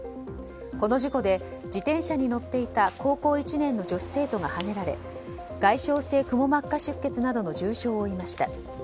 この事故で、自転車に乗っていた高校１年の女子生徒がはねられ外傷性くも膜下出血などの重傷を負いました。